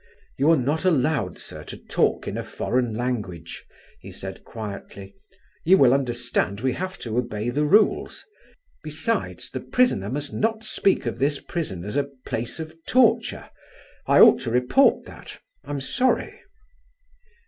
"You are not allowed, sir, to talk in a foreign language," he said quietly. "You will understand we have to obey the rules. Besides, the prisoner must not speak of this prison as a place of torture. I ought to report that; I'm sorry."